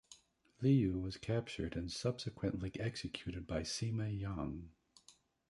Liu was captured and subsequently executed by Sima Yong.